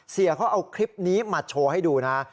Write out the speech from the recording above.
เสียเขาเอาคลิปนี้มาโชว์ให้ดูนะ